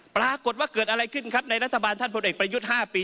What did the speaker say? ปรากฏว่าเกิดอะไรขึ้นครับในรัฐบาลท่านพลเอกประยุทธ์๕ปี